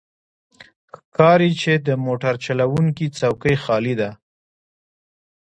ښکاري چې د موټر چلوونکی څوکۍ خالي ده.